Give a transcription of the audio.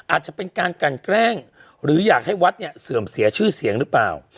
อาจจะเป็นการกันแกล้งหรืออยากให้วัดเนี่ยเสื่อมเสียชื่อเสียงหรือเปล่า